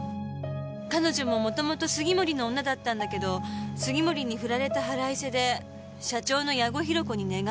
彼女ももともと杉森の女だったんだけど杉森に振られた腹いせで社長の矢後弘子に寝返ったらしいのよ。